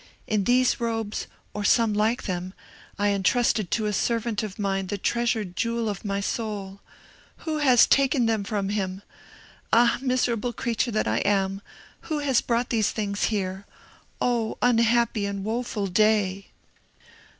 In these robes, or some like them, I entrusted to a servant of mine the treasured jewel of my soul! Who has taken them from him? Ah, miserable creature that I am! who has brought these things here? Oh, unhappy and woeful day!"